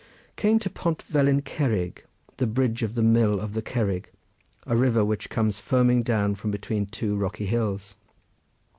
Came to Pont Velin Cerrig, the bridge of the mill of the Cerrig, a river which comes foaming down from between two rocky hills.